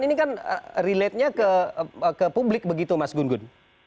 ini kan relate nya ke publik begitu mas gun gun